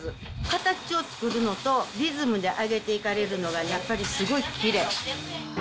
形を作るのと、リズムで揚げていかれるのが、やっぱりすごいきれい。